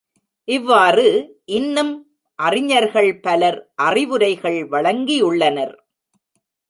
இவ்வாறு இன்னும் அறிஞர்கள் பலர் அறிவுரைகள் வழங்கியுள்ளனர்.